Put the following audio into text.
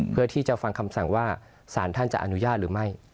เพื่อที่จะฟังคำสั่งว่าสารท่านจะอนุญาตหรือไม่